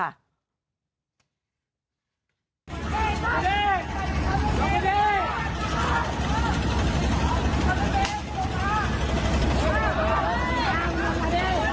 พอเรียกตำรวจหรือยัง